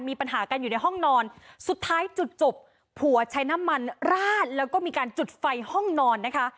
มีปัญหากันอยู่ในห้องนอนสุดท้ายจุดจบผัวใช้น้ำมันราดแล้วก็มีการจุดไฟห้องนอนนะคะ